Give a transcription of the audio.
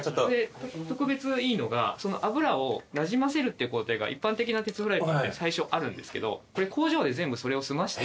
特別いいのが油をなじませるって工程が一般的な鉄フライパンって最初あるんですけどこれ工場で全部それを済まして。